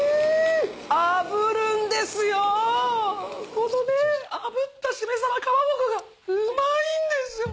このねあぶったしめ鯖かまぼこがうまいんです。